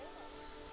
oh tiga dua orang